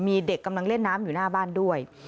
มีเด็กกำลังเล่นน้ำอยู่หน้าบ้านด้วย